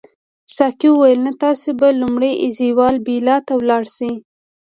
ساقي وویل نه تاسي به لومړی ایزولا بیلا ته ولاړ شئ.